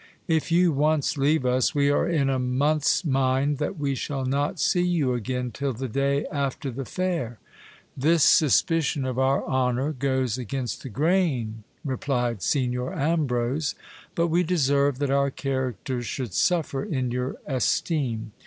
If you once leave us, we are in a month's mind that we shall not see you again till the day after the fair. This suspicion of our honour goes against the grain, replied Signor Ambrose ; but we deserve that our characters should suffer in your esteem.